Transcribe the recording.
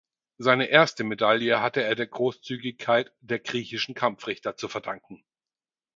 Seine erste Medaille hatte er der Großzügigkeit der griechischen Kampfrichter zu verdanken.